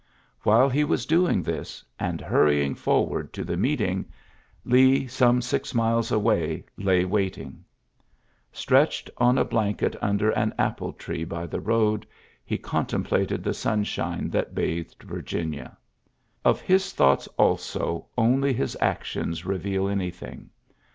While he was doing this, and hurrying forward to the meeting, Lee some six miles away lay waiting. Stretched on a blanket under an apple tree by the road, he contemplated the sunshine that bathed Virginia. Of his thoughts, also, only his actions reveal anything.